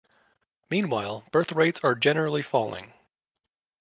Meanwhile, birth rates are generally falling.